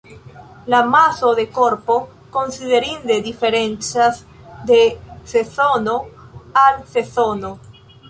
La maso de korpo konsiderinde diferencas de sezono al sezono.